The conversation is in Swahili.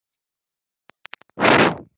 Mwanzo ulikuwa mgumu sana katika ulimaji